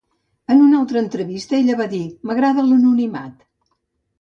En una altra entrevista ella va dir, m'agrada l'anonimat.